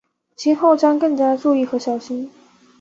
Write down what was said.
今后将更加注意和小心。